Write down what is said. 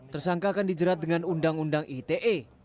tersangka akan dijerat dengan undang undang ite